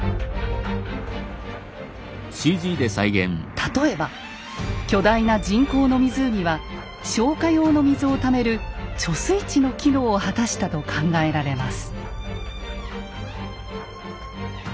例えば巨大な人工の湖は消火用の水をためる貯水池の機能を果たしたと考えられます。